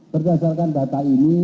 berdasarkan data ini